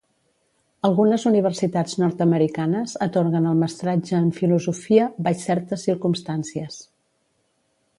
Algunes universitats nord-americanes atorguen el Mestratge en Filosofia baix certes circumstàncies.